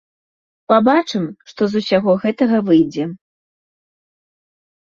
Пабачым, што з усяго гэтага выйдзе.